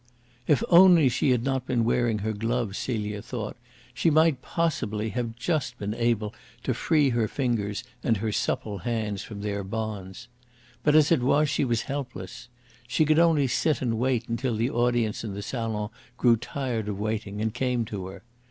If only she had not been wearing her gloves, Celia thought, she might possibly have just been able to free her fingers and her supple hands from their bonds. But as it was she was helpless. She could only sit and wait until the audience in the salon grew tired of waiting and came to her.